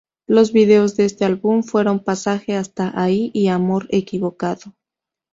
Los videos de este álbum fueron: "Pasaje hasta ahí" y "Amor equivocado".